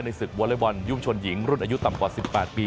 ศึกวอเล็กบอลยุ่งชนหญิงรุ่นอายุต่ำกว่า๑๘ปี